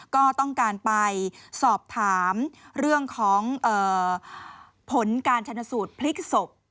ก็ต้องการไปสอบถามเรื่องของผลการชนสูตรพลิกศพ